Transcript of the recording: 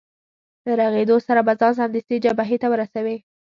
له رغېدو سره به ځان سمدستي جبهې ته ورسوې.